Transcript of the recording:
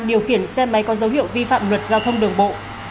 điều khiển xe máy có dấu hiệu vi phạm luật giao thông đường bộ